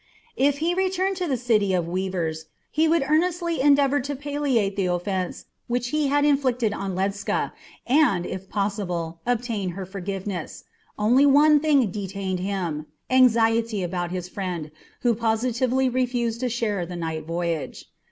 If he returned to the city of weavers, he would earnestly endeavour to palliate the offence which he had inflicted on Ledscha, and, if possible, obtain her forgiveness. Only one thing detained him anxiety about his friend, who positively refused to share the night voyage.